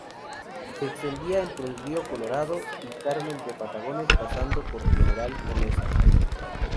Se extendía entre Río Colorado y Carmen de Patagones pasando por General Conesa.